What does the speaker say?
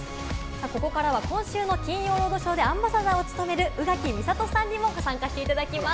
ここからは今週の『金曜ロードショー』でアンバサダーを務める、宇垣美里さんにもご参加していただきます。